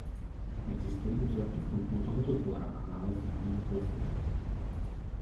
Existují i vzorky chlupů tohoto tvora a nálezy hnízd v lesích.